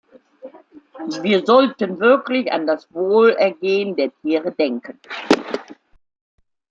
Wir sollten wirklich an das Wohlergehen der Tiere denken.